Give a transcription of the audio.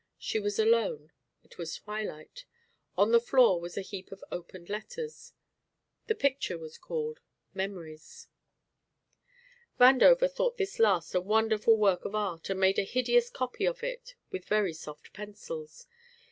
She was alone; it was twilight; on the floor was a heap of opened letters. The picture was called "Memories." Vandover thought this last a wonderful work of art and made a hideous copy of it with very soft pencils.